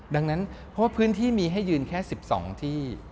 ดังนั้นเพราะว่าพื้นที่มีให้ยืนแค่๑๒ที่